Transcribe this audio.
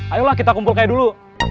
ayolah kita kumpul kayak dulu